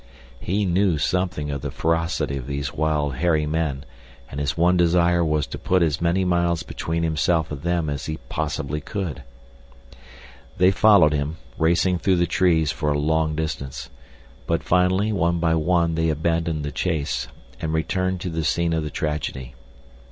He knew something of the ferocity of these wild, hairy men, and his one desire was to put as many miles between himself and them as he possibly could. They followed him, racing through the trees, for a long distance, but finally one by one they abandoned the chase and returned to the scene of the tragedy.